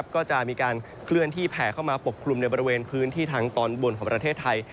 ก็จะมีการเคลื่อนที่แผ่เข้ามาปกคลุมในบริเวณพื้นที่ทางตอนบนของประเทศไทย